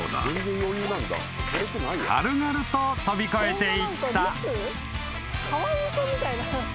［軽々と跳び越えていった］